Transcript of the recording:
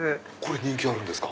人気あるんですか？